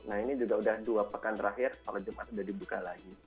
nah ini juga sudah dua pekan terakhir sholat jumat sudah dibuka lagi